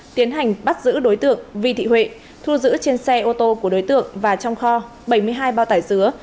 tiến hành bắt giữ đối tượng vi thị huệ thu giữ trên xe ô tô của đối tượng và trong kho bảy mươi hai bao tải dứa